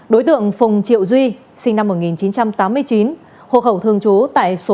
đối tượng phùng triệu duy sinh năm một nghìn chín trăm tám mươi chín hộ khẩu thường trú tại số một